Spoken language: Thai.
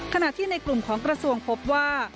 ขณะที่ในกลุ่มของกระทรวงพบว่า